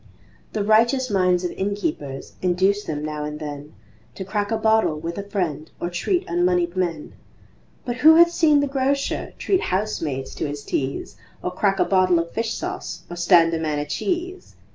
The righteous minds of innkeepers Induce them now and then To crack a bottle with a friend Or treat unmoneyed men, But who hath seen the Grocer Treat housemaids to his teas Or crack a bottle of fish sauce Or stand a man a cheese?